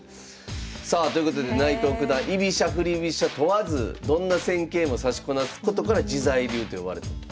さあということで内藤九段居飛車振り飛車問わずどんな戦型も指しこなすことから自在流と呼ばれたと。